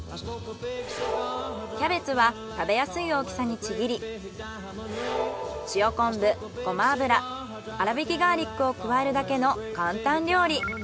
キャベツは食べやすい大きさにちぎり塩昆布ごま油あらびきガーリックを加えるだけの簡単料理。